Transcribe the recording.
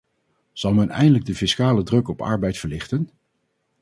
Zal men eindelijk de fiscale druk op arbeid verlichten?